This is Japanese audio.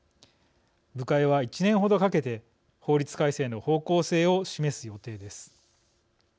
部会は、１年程かけて法律改正の方向性を示す予定です。